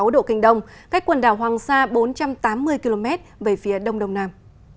một mươi độ kinh đông cách quần đảo hoàng sa bốn trăm tám mươi km về phía đông đông nam